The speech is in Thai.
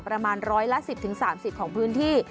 ประมาณ๑๑๐๓๐ของพื้นที่